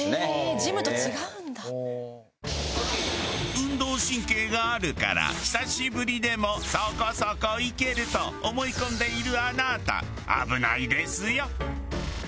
運動神経があるから久しぶりでもそこそこいけると思い込んでいるあなた危ないですよ。